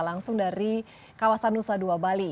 langsung dari kawasan nusa dua bali